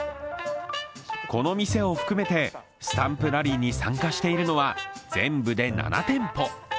この店を含めてスタンプラリーに参加しているのは全部で７店舗。